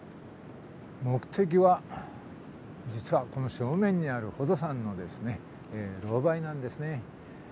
目的は実はこの正面にある宝登山のですねロウバイなんですね。